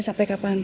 tdate kasih randan